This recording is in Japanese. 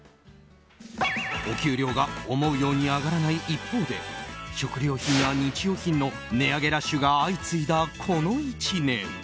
お給料が思うように上がらない一方で食料品や日用品の値上げラッシュが相次いだこの１年。